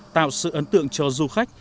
tạo sự ấn tượng cho du khách